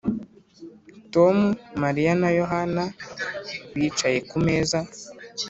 tom, mariya na yohana bicaye ku meza.